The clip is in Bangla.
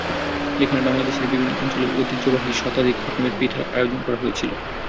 যেখানে বাংলাদেশের বিভিন্ন অঞ্চলের ঐতিহ্যবাহী শতাধিক রকমারি পিঠার আয়োজন করা হয়েছিল।